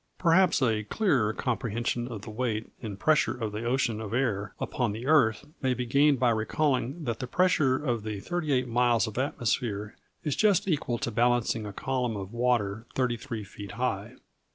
Perhaps a clearer comprehension of the weight and pressure of the ocean of air upon the earth may be gained by recalling that the pressure of the 38 miles of atmosphere is just equal to balancing a column of water 33 feet high.